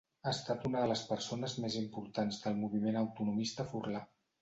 Ha estat una de les persones més importants del moviment autonomista furlà.